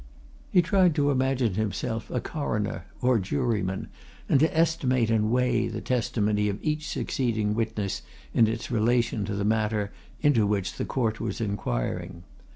He tried to imagine himself a Coroner or juryman, and to estimate and weigh the testimony of each succeeding witness in its relation to the matter into which the court was inquiring.